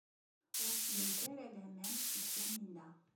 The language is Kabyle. Ur ttgent ara laman deg Taninna.